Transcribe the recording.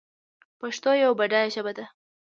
پښتو یوه بډایه ژبه ده